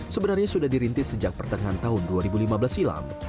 sebenarnya sudah dirintis sejak pertengahan tahun dua ribu lima belas silam